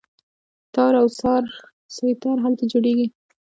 تار او سه تار هلته جوړیږي.